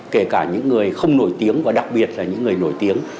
kể cả những người không nổi tiếng và đặc biệt là những người nổi tiếng